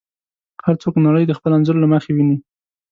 هر څوک نړۍ د خپل انځور له مخې ویني.